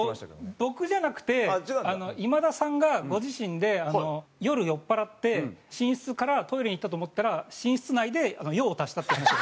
僕じゃなくて今田さんがご自身で夜酔っ払って寝室からトイレに行ったと思ったら寝室内で用を足したっていう話を。